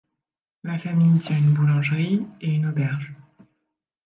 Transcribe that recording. La famille tient une boulangerie et une auberge.